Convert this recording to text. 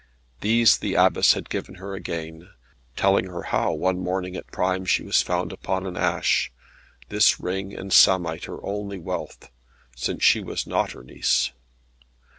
These the Abbess had given her again, telling her how one morning at prime she was found upon an ash, this ring and samite her only wealth, since she was not her niece.